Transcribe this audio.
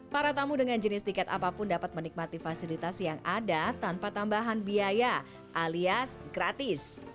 para tamu dengan jenis tiket apapun dapat menikmati fasilitas yang ada tanpa tambahan biaya alias gratis